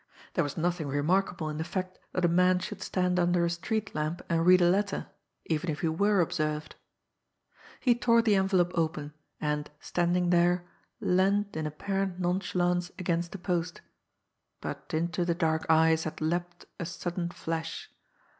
There was nothing remarkable in the fact that a man should stand under a street lamp and read a letter even if he were observed. He tore the envelope open, and, standing there, leaned in apparent nonchalance against the post but into the dark eyes had leaped a sudden flash.